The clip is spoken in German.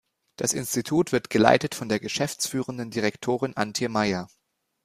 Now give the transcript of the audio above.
Das Institut wird geleitet von der geschäftsführenden Direktorin Antje Meyer.